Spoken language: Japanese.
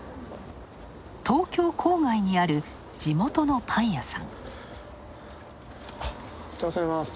東京郊外にある地元のパン屋さん。